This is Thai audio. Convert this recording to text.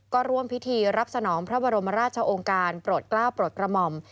ก็ร่วมพิธีรับสนองพระบรมราชองค์การโปรดกล้าวโปรดกระหม่อม